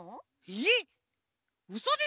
えっ？